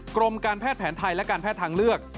กรมการแพทย์แผนไทยและการแพทย์ทางเลือก